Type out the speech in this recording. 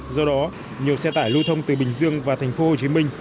do đó nhiều xe tải lưu thông từ bình dương và thành phố hồ chí minh